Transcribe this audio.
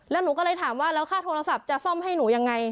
แล้วหนูก็เลยถามว่าแล้วค่าโทรศัพท์จะซ่อมให้หนูยังไง